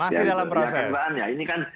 masih dalam proses karena ini kan